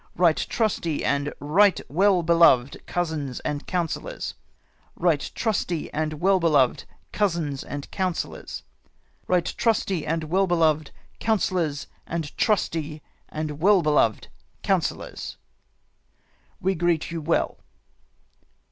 Eight trusty and right well beloved cousins and councillors ! Eight trusty and well beloved cousins and councillors ! Eight trusty and well beloved councillors, and trusty and well beloved councillors !" We greet you Well.